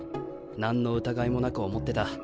何の疑いもなく思ってた。